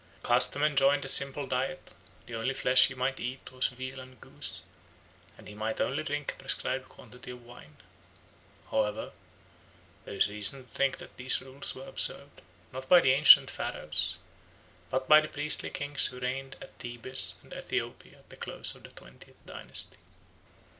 Custom enjoined a simple diet; the only flesh he might eat was veal and goose, and he might only drink a prescribed quantity of wine." However, there is reason to think that these rules were observed, not by the ancient Pharaohs, but by the priestly kings who reigned at Thebes and Ethiopia at the close of the twentieth dynasty.